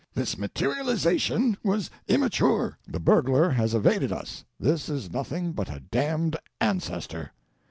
This materialization was immature, the burglar has evaded us, this is nothing but a damned ancestor!"